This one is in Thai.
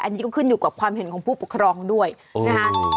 อันนี้ก็ขึ้นอยู่กับความเห็นของผู้ปกครองด้วยนะฮะ